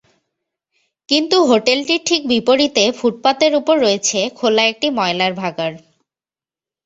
কিন্তু হোটেলটির ঠিক বিপরীতে ফুটপাতের ওপর রয়েছে খোলা একটি ময়লার ভাগাড়।